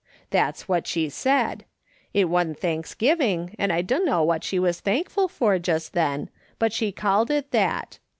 That's what she said. It wa'n't Thanksgiving, and I dunno what she was thankful for just then ; but she called it that.